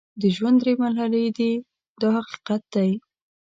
د ژوند درې مرحلې دي دا حقیقت دی.